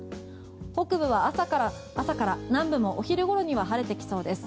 北部は朝から南部もお昼ごろには晴れてきそうです。